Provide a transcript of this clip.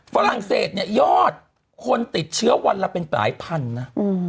ฝรั่งเศสเนี่ยยอดคนติดเชื้อวันละเป็นหลายพันนะ